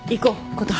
琴葉。